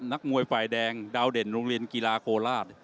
นักมวยฝ่ายแดงดาวเด่นโรงเรียนกีฬาโคราช